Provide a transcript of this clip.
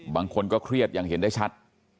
บางคนก็เครียดอย่างเห็นได้ชัด